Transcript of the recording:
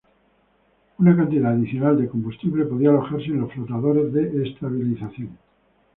Una cantidad adicional de combustible podía alojarse en los flotadores de estabilización.